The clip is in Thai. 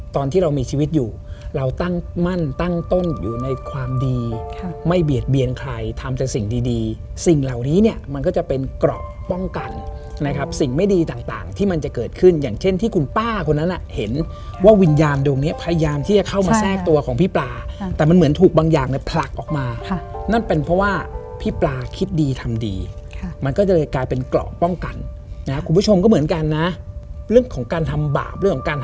ตอนที่เรามีชีวิตอยู่เราตั้งมั่นตั้งต้นอยู่ในความดีไม่เบียดเบียนใครทำจากสิ่งดีสิ่งเหล่านี้เนี่ยมันก็จะเป็นกรอกป้องกันนะครับสิ่งไม่ดีต่างที่มันจะเกิดขึ้นอย่างเช่นที่คุณป้าคนนั้นเห็นว่าวิญญาณดวงนี้พยายามที่จะเข้ามาแซกตัวของพี่ปลาแต่มันเหมือนถูกบางอย่างเนี่ยผลักออกมานั่นเป็นเพราะว่